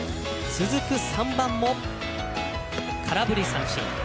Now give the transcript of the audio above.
続く３番も空振り三振。